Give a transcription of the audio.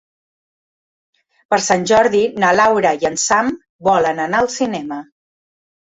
Per Sant Jordi na Laura i en Sam volen anar al cinema.